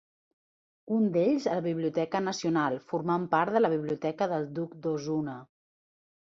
Un d'ells a la Biblioteca Nacional formant part de la biblioteca del duc d'Osuna.